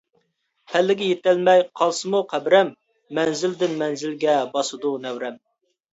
پەللىگە يېتەلمەي قالسىمۇ قەبرەم، مەنزىلدىن مەنزىلگە باسىدۇ نەۋرەم.